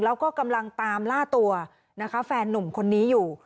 แล้วก็กำลังตามล่าตัวนะคะแฟนนุ่มคนนี้อยู่